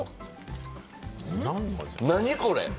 何これ？